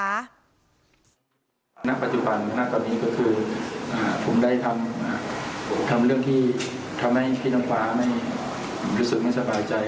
มานี่ในปัจจุบันนี้ก็คือฮ่าผมได้ทำถี่ทำให้พี่น้องฟ้าไม่รู้สึกไม่สภายใจ